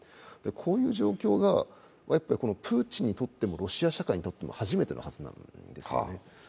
こういう状況がプーチンにとってもロシア社会にとっても初めてのはずなんです。